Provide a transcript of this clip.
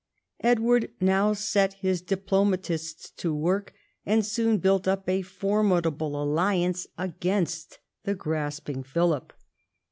Edward now set his diplomatists to work, and soon built up a formidable alliance against the grasping Philip.